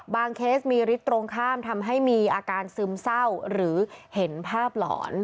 เคสมีฤทธิ์ตรงข้ามทำให้มีอาการซึมเศร้าหรือเห็นภาพหลอน